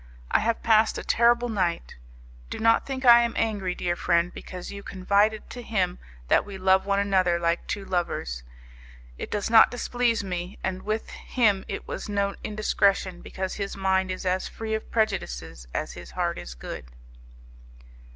I have passed a terrible night. Do not think I am angry, dear friend, because you confided to him that we love one another like two lovers; it does not displease me, and with him it was no indiscretion, because his mind is as free of prejudices as his heart is good.